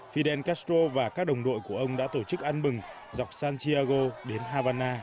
fidel castro và các đồng đội của ông đã tổ chức ăn bừng dọc santiago đến havana